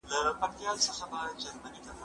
زه به اوږده موده نان خوړلی وم!!